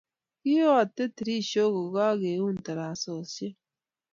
Kiote tirishook ngokakeun tarasoshiek